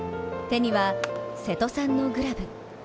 手には瀬戸さんのグラブ。